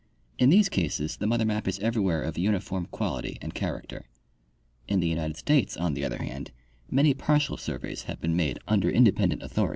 In these cases the mother map is everywhere of uniform quality and character. In the United States, on the other hand, many partial survej^s have been made under independent authorities :5— Nat.